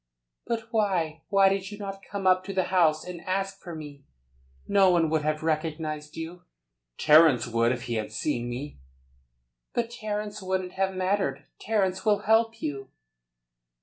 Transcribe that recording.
"But why? Why did you not come up to the house and ask for me? No one would have recognised you." "Terence would if he had seen me." "But Terence wouldn't have mattered. Terence will help you."